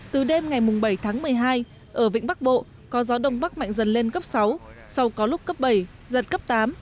từ đêm ngày bảy tháng một mươi hai ở vĩnh bắc bộ có gió đông bắc mạnh dần lên cấp sáu sau có lúc cấp bảy giật cấp tám